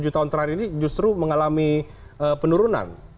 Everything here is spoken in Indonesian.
tujuh tahun terakhir ini justru mengalami penurunan